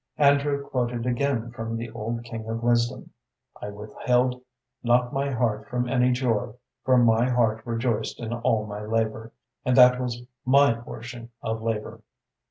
Andrew quoted again from the old King of Wisdom "I withheld not my heart from any joy, for my heart rejoiced in all my labor, and that was my portion of labor."